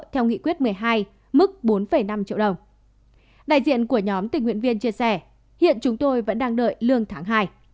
theo nghị quyết một mươi hai mức bốn năm triệu đồng đại diện của nhóm tình nguyện viên chia sẻ hiện chúng tôi vẫn đang đợi lương tháng hai